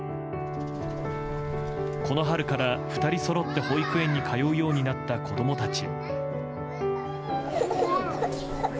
この春から２人そろって保育園に通うようになった子供たち。